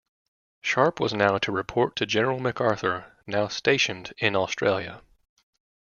Sharp was now to report to General MacArthur, now stationed in Australia.